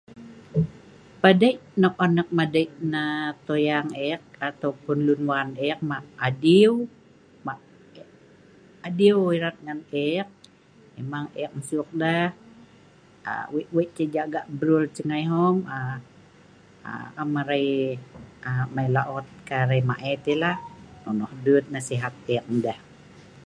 Padei nok an ek madei nah toyang ngan lun ngan ek, ek madei deh laeu brul dei wei-wei, nga maet am mai laot. Ah padei ek ndeh